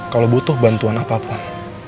kalau lo butuh bantuan apapun